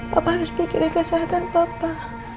papa harus pikirin kesehatan papa